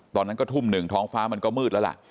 ตอนนั้นก็ทุ่มหนึ่งท้องฟ้ามันก็มืดแล้วล่ะ